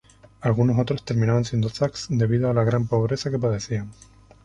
Algunos otros terminaban siendo thugs debido a la gran pobreza que padecían.